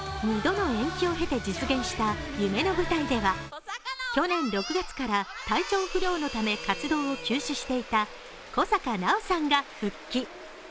二度の延期を経て実現した夢の舞台では去年６月から体調不良のため活動を休止していた小坂菜緒さんが復帰。